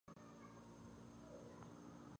ته وګوره ګرانه، دا ستا زوړ د غاښونو برس دی.